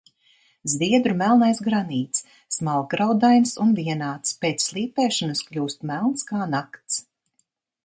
Zviedru melnais granīts, smalkgraudains un vienāds, pēc slīpēšanas kļūst melns kā nakts.